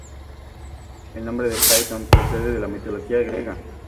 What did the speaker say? El nombre de Phaeton procede de la mitología griega.